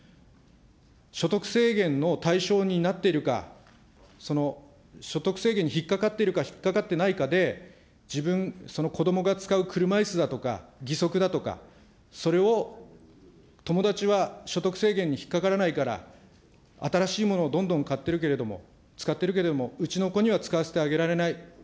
所得制限の対象になっているか、その所得制限に引っ掛かっているか引っ掛かってないかで、自分、そのこどもが使う車いすだとか、義足だとか、それを友達は所得制限に引っかからないから、新しいものをどんどん買ってるけれども、使っているけれども、うちの子には使わせてあげられない。